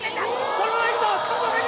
そのままいくぞ！